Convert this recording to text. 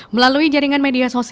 melalui jaringan media